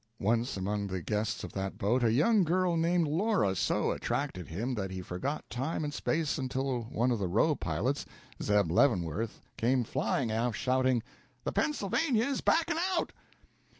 Once among the guests of that boat a young girl named Laura so attracted him that he forgot time and space until one of the "Roe" pilots, Zeb Leavenworth, came flying aft, shouting: "The 'Pennsylvania' is backing out!"